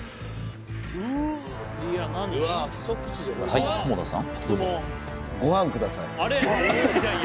はい菰田さん